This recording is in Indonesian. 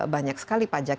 banyak sekali pajak